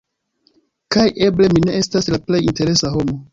Kaj eble mi ne estas la plej interesa homo.